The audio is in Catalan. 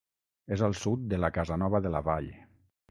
És al sud de la Casanova de la Vall.